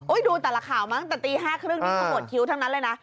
อุ้ยดูแต่ละข่าวมั้งแต่ตี๕๓๐มีขโมดคิ้วทั้งนั้นเลยนะ